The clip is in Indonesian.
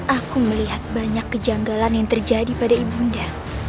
aku melihat banyak kejanggalan yang terjadi pada ibunda